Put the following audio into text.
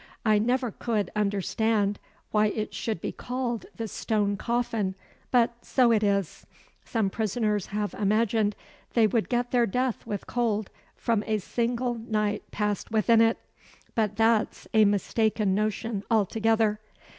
I never could understand why it should be called the 'Stone Coffin' but so it is. Some prisoners have imagined they would get their death with cold from a single night passed within it but that's a mistaken notion altogether."